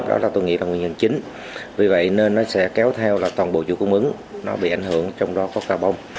đó là tôi nghĩ là nguyên nhân chính vì vậy nên nó sẽ kéo theo là toàn bộ chủ cung ứng nó bị ảnh hưởng trong đó có carbon